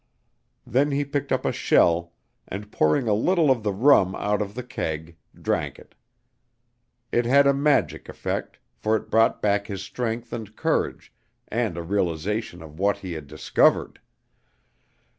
Then he picked up a shell, and pouring a little of the rum out of the keg, drank it. It had a magic effect, for it brought back his strength and courage and a realization of what he had discovered.